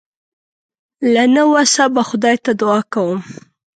له نه وسه به خدای ته دعا کوم.